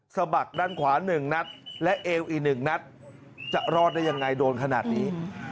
สะบักด้านขวา๑นัดและเอวอีก๑นัดจะรอดได้ยังไงโดนขนาดนี้